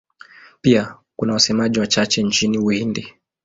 Pia kuna wasemaji wachache nchini Uhindi.